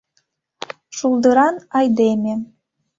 Шулдыран айдеме.